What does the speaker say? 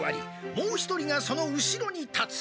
もう一人がその後ろに立つ。